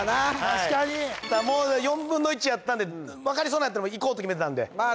確かにもう４分の１やったんで分かりそうなんやったらもういこうと決めてたんでまあ